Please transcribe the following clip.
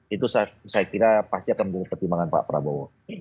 itu saya kira pasti akan menjadi pertimbangan pak prabowo